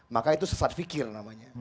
maka itu sesat fikir namanya